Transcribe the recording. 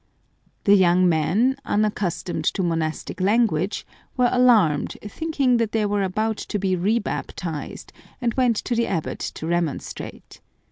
The young men, unaccustomed to monastic language, were alarmed, thinking that they were about to be rebaptized, and went to the abbot to remonstrate.